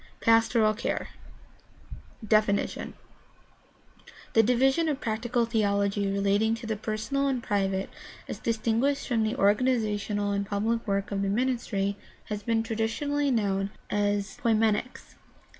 PASTORAL CARE I. DEFINITION The division of practical theology relating to the personal and private as distinguished from the organizational and pubHc work of the ministry has been traditionally known as poimenics.